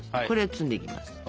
これを包んでいきます。